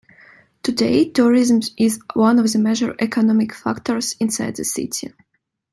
Today, tourism is one of the major economic factors inside the city.